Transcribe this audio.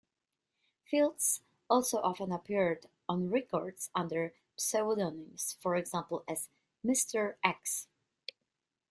Fields also often appeared on records under pseudonyms, for example as Mr X.